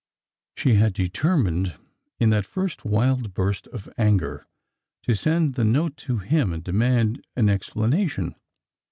She had determined, in that first wild burst of anger, to send the note to him and demand an explanation.